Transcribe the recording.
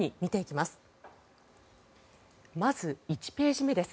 まず、１ページ目です。